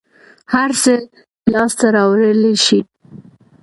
هر څه لاس ته راوړلى شې.